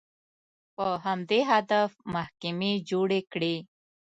په همدې هدف محکمې جوړې کړې